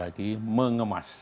jadi kita harus lebih kemas